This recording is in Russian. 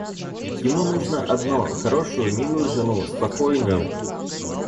Ему нужно одно — хорошую, милую жену, спокойную.